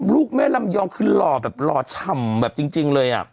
ลูกแม่ลำยองคือหล่อแบบหล่อฉ่ำแบบจริงเลย